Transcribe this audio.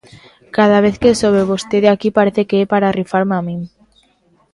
Cada vez que sobe vostede aquí parece que é para rifarme a min.